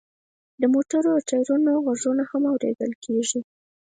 د موټرو د ټیرونو غږونه هم اوریدل کیږي